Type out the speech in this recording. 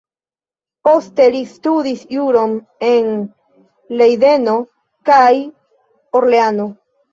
Poste li studis juron en Lejdeno kaj Orleano.